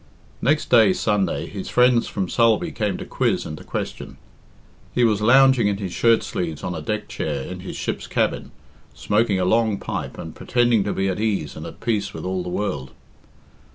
Next day, Sunday, his friends from Sulby came to quiz and to question. He was lounging in his shirt sleeves on a deck chair in his ship's cabin, smoking a long pipe, and pretending to be at ease and at peace with all the world.